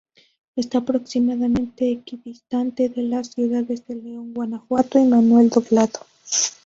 Está aproximadamente equidistante de las ciudades de León, Guanajuato y Manuel Doblado.